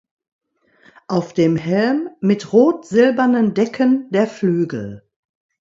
Auf dem Helm mit rot-silbernen Decken der Flügel.